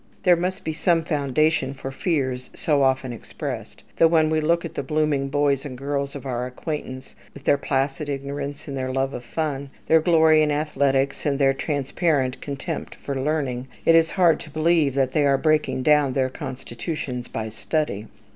There must be some foundation for fears so often expressed; though when we look at the blooming boys and girls of our acquaintance, with their placid ignorance and their love of fun, their glory in athletics and their transparent contempt for learning, it is hard to believe that they are breaking down their constitutions by study.